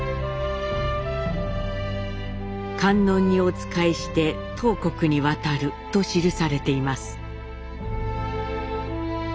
「観音にお仕えして唐国に渡る」と記されています。